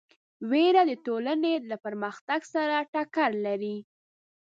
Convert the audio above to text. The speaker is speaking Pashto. وېره د ټولنې له پرمختګ سره ټکر لري.